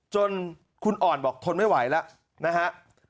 จนคุณอ่อนบอกทนไม่ไหวแล้วนะฮะ